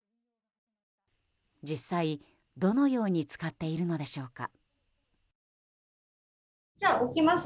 実際、どのように使っているのでしょうか。